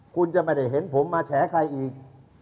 คุณจะไม่ได้เห็นผมมาแฉใครอีก